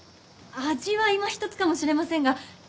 味はいまひとつかもしれませんが栄養価は。